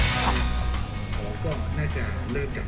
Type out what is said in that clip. ส่วนยังแบร์ดแซมแบร์ด